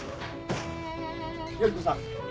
依子さん。